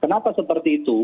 kenapa seperti itu